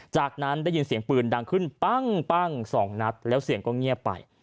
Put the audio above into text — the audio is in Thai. จากนั้นได้ยินเสียงปืนดังขึ้นปั้งสองนัดแล้วเสียงก็เงียบไป